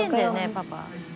パパ。